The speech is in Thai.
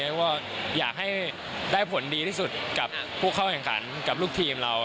แล้วก็อยากให้ได้ผลดีที่สุดกับผู้เข้าแข่งขันกับลูกทีมเรา